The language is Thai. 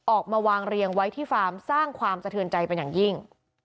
ออกมาวางเรียงไว้ที่ฟาร์มสร้างความสะเทือนใจเป็นอย่างยิ่ง